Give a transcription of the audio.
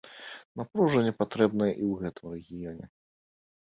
Напружанне патрэбнае і ў гэтым рэгіёне.